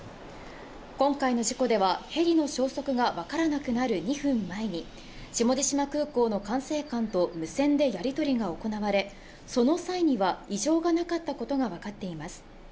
今回の事故では、ヘリの消息が分からなくなる２分前に下地島空港の管制官と無線でやり取りが行われその際には異常がなかったことが分かっています。